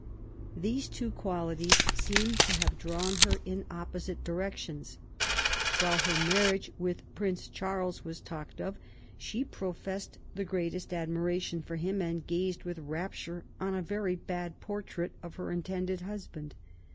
These two qualities seem to have drawn her in opposite directions. While her marriage with Prince Charles was talked of she pro fessed the greatest admiration for him, and gazed with rapture on a very bad portrait of her intended husband.